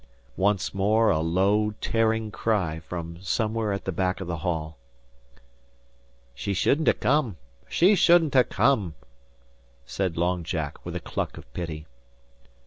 Once more a low, tearing cry from somewhere at the back of the hall. "She shouldn't ha' come. She shouldn't ha' come," said Long Jack, with a cluck of pity.